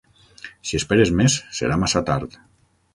Si esperes més, serà massa tard.